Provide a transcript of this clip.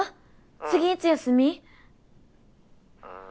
次いつ休み？んん。